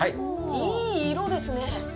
いい色ですね。